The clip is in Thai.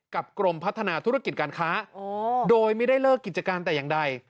กรมพัฒนาธุรกิจการค้าโดยไม่ได้เลิกกิจการแต่อย่างใด